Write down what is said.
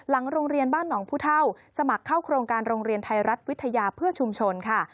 โรงเรียนบ้านหนองผู้เท่าสมัครเข้าโครงการโรงเรียนไทยรัฐวิทยาเพื่อชุมชนค่ะ